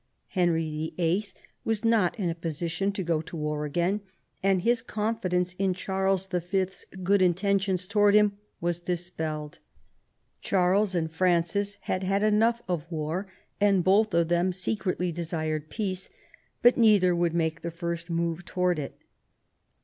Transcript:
Henry YIH. was not in a position to go to war again, and his confidence in Charles Y.'s good intentions towards him was dispelled. Charles and Francis had had enough of war, and both of them secretly desired peace, but neither would make the first move towards it.